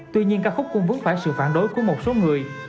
tuy nhiên ca khúc cũng vướng phải sự phản đối của một số người